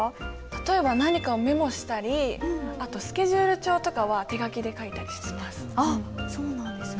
例えば何かをメモしたりあとスケジュール帳とかは手書きで書いたりしてます。